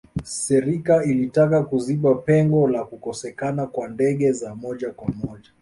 serika ilitaka kuziba pengo la kukosekana kwa ndege za moja kwa moja